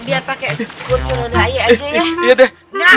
biar pakai kursi menaik aja ya